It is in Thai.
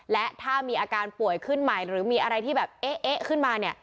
และถ้ามีอาการป่วยขึ้นใหม่หรือมีอะไรที่แบบเอ๊ะขึ้นมาเนี่ย